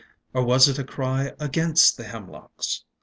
Or was it a cry against the hemlocks?